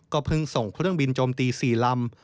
เพิ่งส่งเครื่องบินโจมตี๔ลำ